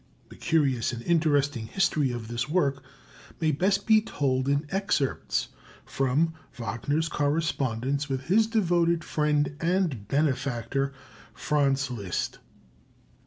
The curious and interesting history of this work may best be told in excerpts from Wagner's correspondence with his devoted friend and benefactor, Franz Liszt.